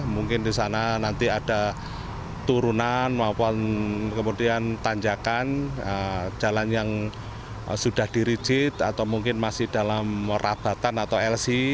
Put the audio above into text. mungkin di sana nanti ada turunan maupun kemudian tanjakan jalan yang sudah dirigit atau mungkin masih dalam merabatan atau lc